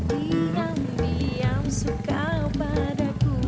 diam diam suka padaku